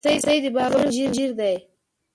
رسۍ د باور زنجیر دی.